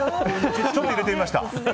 ちょっと入れてみました。